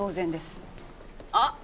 あっ！